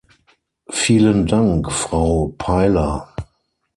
Vielen Dank, Frau Pailler.